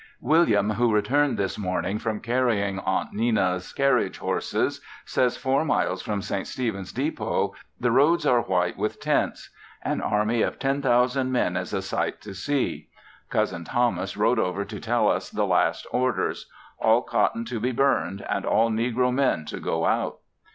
William, who returned this morning from carrying Aunt Nenna's carriage horses says for four miles from St. Stephens depot, the roads are white with tents. An army of 10,000 men is a sight to see! Cousin Thomas rode over to tell us the last orders; all cotton to be burned and all negro men to go out.